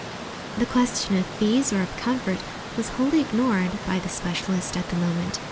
The question of fees or of comfort was wholly ignored by the specialist at the moment.